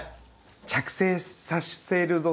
「着生させるぞ！